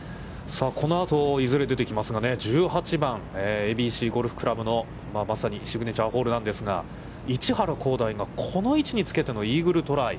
このあと、いずれ出てきますかね、１８番、ＡＢＣゴルフ倶楽部のまさにシグネチャーホールなんですが、市原弘大がこの位置に着けてのイーグルトライ。